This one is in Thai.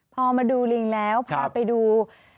พอมาดูลิงแล้วพาไปดู